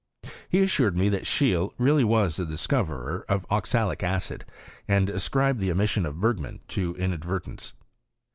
He assured me that Scheele really was the discoverer of oxalic acid, and ascribed the omission of Bergman to inadvertence.